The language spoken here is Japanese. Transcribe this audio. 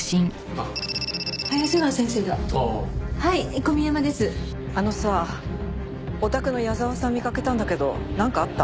あのさおたくの矢沢さん見かけたんだけどなんかあった？